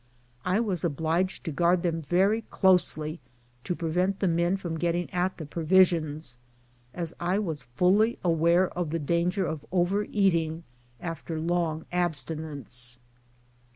I was obliged to guard them very closely, to pre vent the men from getting at the provisions, as I was fully aware of the danger of overeating after long abstinence.